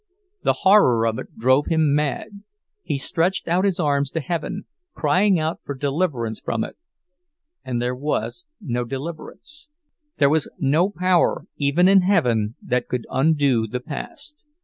The horror of it drove him mad; he stretched out his arms to heaven, crying out for deliverance from it—and there was no deliverance, there was no power even in heaven that could undo the past.